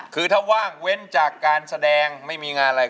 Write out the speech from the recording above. คือถ้าว่างเว้นจากการแสดงไม่มีงานอะไร